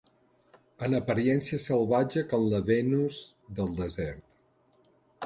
...en apariència salvatge com la Venus del desert